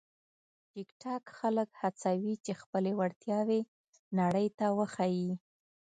ټیکټاک خلک هڅوي چې خپلې وړتیاوې نړۍ ته وښيي.